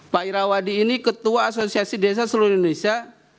pak irawadi ini ketua asosiasi desa seluruh indonesia